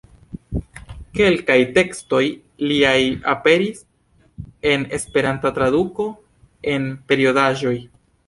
Kelkaj tekstoj liaj aperis en Esperanta traduko en periodaĵoj.